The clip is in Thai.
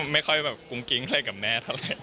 ไม่ค่อยแบบกุ้งกิ๊งอะไรกับแม่เท่าไหร่